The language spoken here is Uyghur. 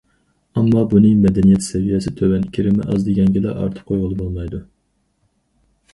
ئەمما، بۇنى مەدەنىيەت سەۋىيەسى تۆۋەن، كىرىمى ئاز دېگەنگىلا ئارتىپ قويغىلى بولمايدۇ.